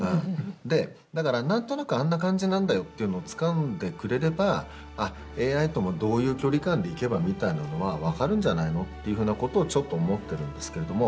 だから、なんとなくあんな感じなんだよっていうのをつかんでくれればあ、ＡＩとも、どういう距離感でいけばみたいなのは分かるんじゃないのっていうふうなことを、ちょっと思ってるんですけれども。